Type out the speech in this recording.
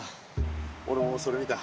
俺もそれ見た。